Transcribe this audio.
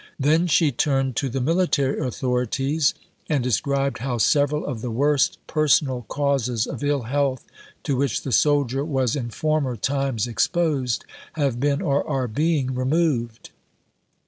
Then she turned to the military authorities, and described how "several of the worst personal causes of ill health to which the soldier was in former times exposed have been, or are being, removed."